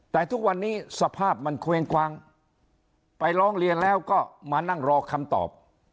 แต่ทุกวันนี้สภาพมันเควงไปร้องเรียนแล้วก็มานั่งรอคำตอบ